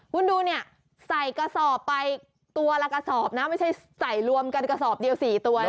คุณดูเนี่ยใส่กระสอบไปตัวละกระสอบนะไม่ใช่ใส่รวมกันกระสอบเดียว๔ตัวนะ